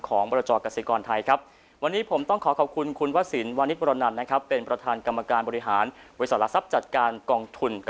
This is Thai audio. ของบรรจอกสกษิกรไทยครับวันนี้ผมต้องขอขอบคุณคุณวะศิลป์วานิปรณ